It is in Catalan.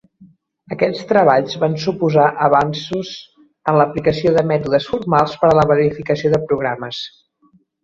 Aquests treballs van suposar avanços en l'aplicació de mètodes formals per a la verificació de programes.